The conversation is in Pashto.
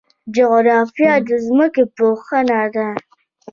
جغرافیه د ځمکې پوهنه ده